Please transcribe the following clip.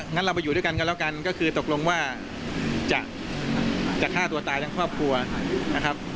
งั้นเราไปอยู่ด้วยกันกันแล้วกันก็คือตกลงว่าจะฆ่าตัวตายทั้งครอบครัวนะครับ